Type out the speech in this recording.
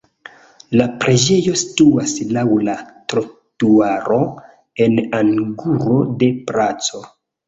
La preĝejo situas laŭ la trotuaro en angulo de placo.